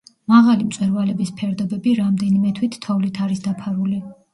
მაღალი მწვერვალების ფერდობები რამდენიმე თვით თოვლით არის დაფარული.